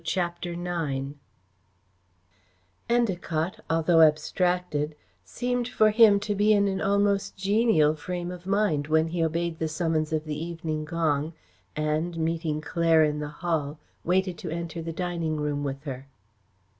CHAPTER IX Endacott, although abstracted, seemed for him to be in an almost genial frame of mind when he obeyed the summons of the evening gong and, meeting Claire in the hall, waited to enter the dining room with her.